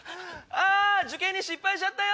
あ受験に失敗しちゃったよ！